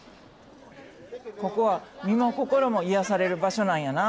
ここは身も心も癒やされる場所なんやな。